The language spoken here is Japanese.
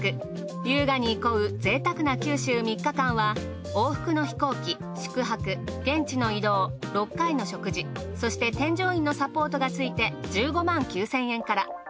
優雅に憩う贅沢な九州３日間は往復の飛行機宿泊現地の移動６回の食事そして添乗員のサポートがついて１５万９，０００円から。